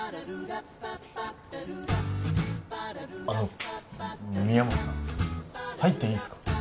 あの宮本さん入っていいすか？